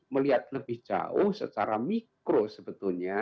melihat lebih jauh secara mikro sebetulnya